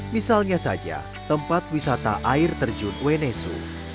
misalnya saja tempat wisata air terjun uenesu